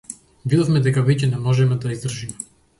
Видовме дека веќе не можеме да издржиме.